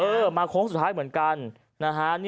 มาโค้งสุดท้ายเหมือนกันนะฮะ